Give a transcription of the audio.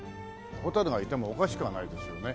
ホタルがいてもおかしくはないですよね。